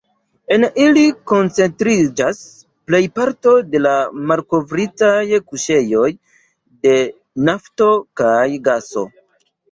En ili koncentriĝas plejparto de malkovritaj kuŝejoj de nafto kaj gaso.